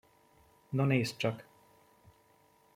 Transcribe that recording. No nézd csak!